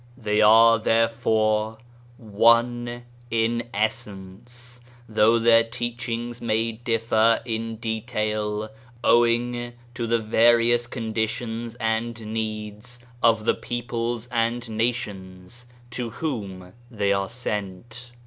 They are therefore, one in essence, though their teachings may differ in detail owing to the various condi tions and needs of the peoples and nations to whom they are sent.